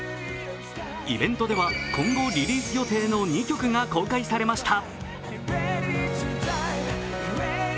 イベントでは今後リリース予定の２曲が公開されました。